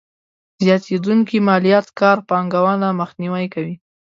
زياتېدونکې ماليات کار پانګونه مخنیوی کوي.